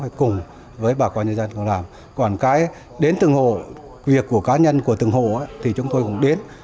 phải cùng với bà con nhân dân không làm còn cái đến từng hồ việc của cá nhân của từng hồ thì chúng tôi cũng đến